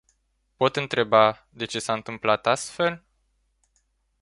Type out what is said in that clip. Pot întreba de ce s-a întâmplat astfel?